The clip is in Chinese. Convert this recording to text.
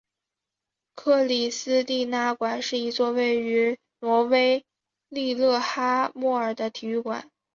克里斯蒂娜馆是一座位于挪威利勒哈默尔的体育馆。